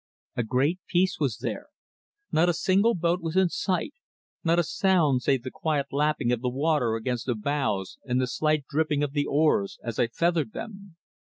A great peace was there. Not a single boat was in sight, not a sound save the quiet lapping of the water against the bows and the slight dripping of the oars as I feathered them.